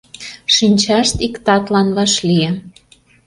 Шинчашт ик татлан вашлие.